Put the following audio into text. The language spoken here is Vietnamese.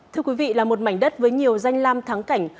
thưa quý vị là một mảnh đất với nhiều danh lam thắng cảnh